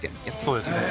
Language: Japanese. そうですね